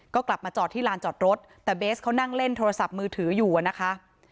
ก็กลับมาจอดที่ลานจอดรถแต่เบสเขานั่งเล่นโทรศัพท์มือถืออยู่อะนะคะ